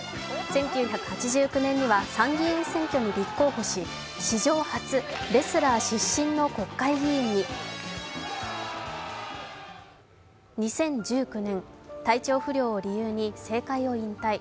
１９８９年には参議院選挙に立候補し史上初、レスラー出身の国会議員に２０１９年、体調不良を理由に政界を引退。